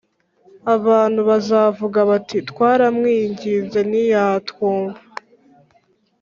Abantu bazavuga bati twaramwingize ntiyatwumva